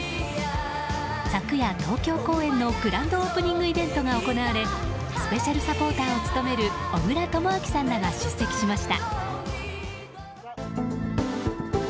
昨夜、東京公演のグランドオープニングイベントが行われスペシャルサポーターを務める小倉智昭さんらが出席しました。